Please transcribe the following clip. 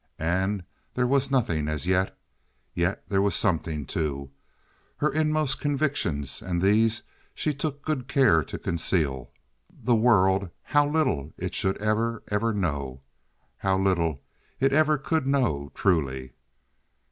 And there was nothing, as yet. Yet there was something, too—her inmost convictions, and these she took good care to conceal. The world—how little it should ever, ever know! How little it ever could know truly!